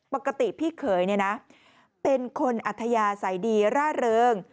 ปกติพี่เขยเป็นคนอัธยาศัยดีร่าเริง